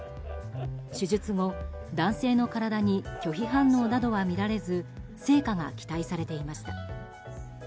手術後、男性の体に拒否反応などは見られず成果が期待されていました。